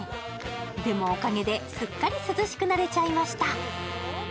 でも、おかげですっかり涼しくなれちゃいました。